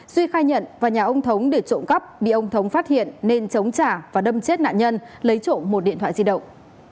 duy khai nhận vào nhà ông thống để trộm cắp bị ông thống phát hiện nên chống trả và đâm chết nạn nhân lấy trộm một điện thoại di động